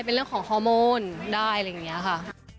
เป็นเรื่องของฮอร์โมนได้อะไรอย่างนี้ค่ะ